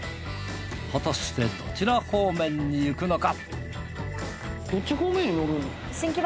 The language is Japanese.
果たしてどちら方面に行くのか？